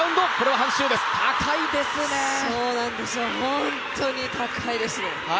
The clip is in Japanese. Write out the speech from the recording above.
本当に高いです。